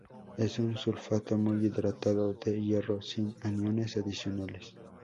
Es un sulfato muy hidratado de hierro, sin aniones adicionales.